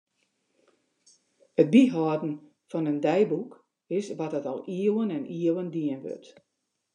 It byhâlden fan in deiboek is wat dat al iuwen en iuwen dien wurdt.